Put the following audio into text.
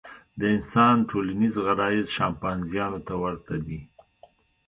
د انسان ټولنیز غرایز شامپانزیانو ته ورته دي.